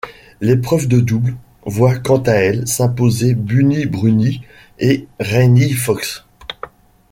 L'épreuve de double voit quant à elle s'imposer Bunny Bruning et Rayni Fox.